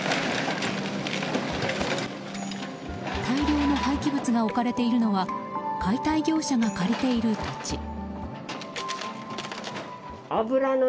大量の廃棄物が置かれているのは解体業者が借りている土地。